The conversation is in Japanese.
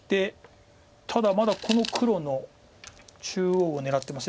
ただまだこの黒の中央を狙ってます。